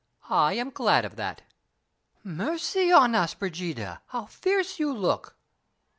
I am glad of that." "Mercy on us, Brigida, how fierce you look!"